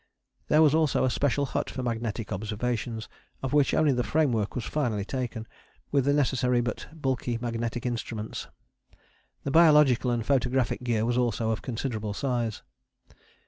There was also a special hut for magnetic observations, of which only the framework was finally taken, with the necessary but bulky magnetic instruments. The biological and photographic gear was also of considerable size.